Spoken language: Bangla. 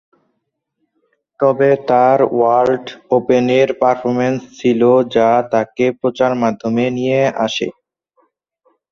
তবে তার ওয়ার্ল্ড ওপেনের পারফরম্যান্স ছিল যা তাকে প্রচার মাধ্যমে নিয়ে আসে।